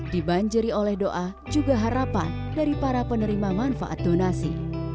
dibanjiri oleh doa juga harapan dari para penerima manfaat donasi